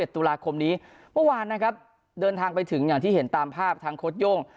ตุลาคมนี้เมื่อวานนะครับเดินทางไปถึงอย่างที่เห็นตามภาพทางโค้ดโย่ง